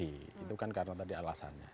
itu kan karena tadi alasannya